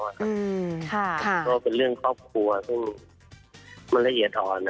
ก็เป็นเรื่องครอบครัวซึ่งมันละเอียดอ่อน